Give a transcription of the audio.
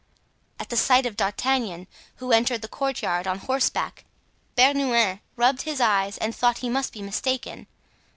At the sight of D'Artagnan, who entered the courtyard on horseback, Bernouin rubbed his eyes and thought he must be mistaken.